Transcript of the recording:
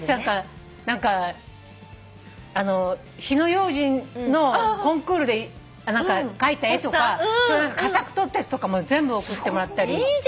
何か火の用心のコンクールで描いた絵とか佳作とったやつとかも全部送ってもらったり。